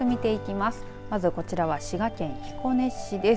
まずこちらは滋賀県彦根市です。